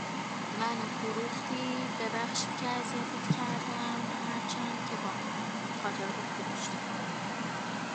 جغور بغور